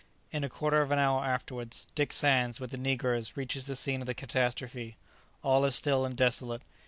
In a quarter of an hour afterwards, Dick Sands, with the negroes, reaches the scene of the catastrophe. All is still and desolate.